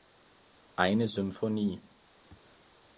Eine Symphonie.